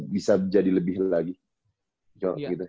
bisa jadi lebih lelah